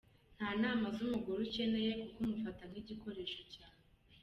Nta nama z´umugore ukeneye kuko umufata nk´igikoresho cyawe.